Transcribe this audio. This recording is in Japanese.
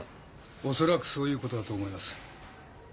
おそらくそういうことだと思います。